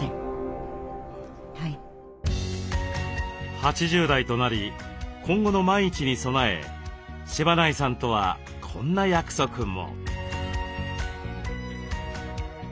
８０代となり今後の万一に備え柴内さんとはこんな約束も。